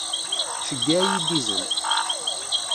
Ceyyeɛ-iyi-d izen.